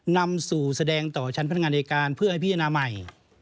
นำสู่แสดงต่อชั้นพนักงานในการเพื่อให้พิจารณาใหม่